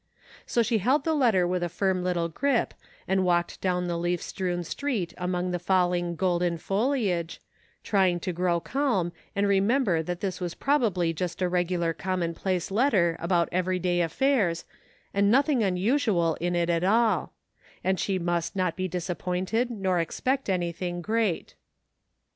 So she held the letter with a firm little grip and walked down the leaf strewn street among the fall ing golden foliage, trying to grow calm, and remember that this was probably just a regular commonplace letter about everyday affairs and nothing unusual in it at all ; and she must not be disappointed nor expect anything great.